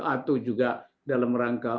atau juga dalam rangka